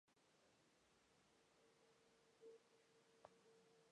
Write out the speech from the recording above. El parque es un importante santuario del halcón peregrino y el cernícalo común.